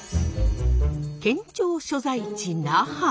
県庁所在地那覇。